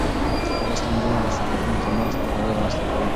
لوستې نجونې د خدمتونو ترمنځ همغږي رامنځته کوي.